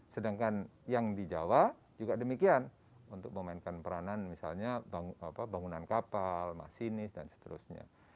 sedangkan yang di jawa juga demikian untuk memainkan peranan misalnya bangunan kapal masinis dan seterusnya